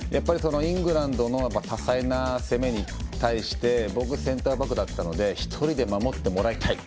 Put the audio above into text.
イングランドの多彩な攻めに対して僕もセンターバックだったので１人で守ってもらいたい。